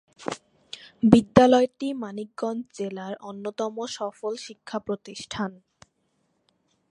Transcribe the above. বিদ্যালয়টি মানিকগঞ্জ জেলার অন্যতম সফল শিক্ষা প্রতিষ্ঠান।